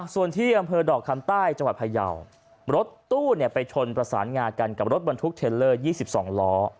ส่วนที่อำเภอดอกคำใต้จังหวัดพยาวรถตู้ไปชนประสานงากันกับรถบรรทุกเทลเลอร์๒๒ล้อ